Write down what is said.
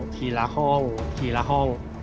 ละห้องทีละห้อง